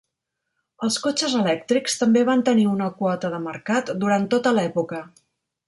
Els cotxes elèctrics també van tenir una quota de mercat durant tota l'època.